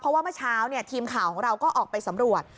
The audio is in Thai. เพราะว่าเมื่อเช้าทีมข่าวของเราก็ออกไปสำรวจ